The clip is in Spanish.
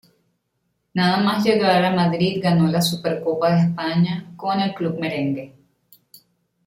Nada más llegar a Madrid ganó la Supercopa de España con el club merengue.